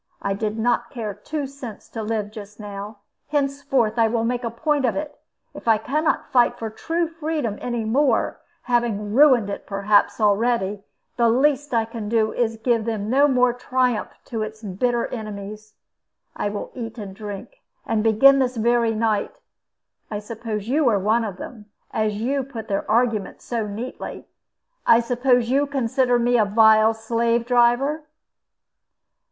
I did not care two cents to live just now. Henceforth I will make a point of it. If I cannot fight for true freedom any more, having ruined it perhaps already, the least I can do is to give no more triumph to its bitter enemies. I will eat and drink, and begin this very night. I suppose you are one of them, as you put their arguments so neatly. I suppose you consider me a vile slave driver?"